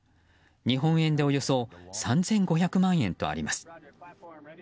日本円でおよそ３５００万円とあります。